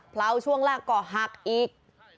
เพราะช่วงล่างก็หักอีก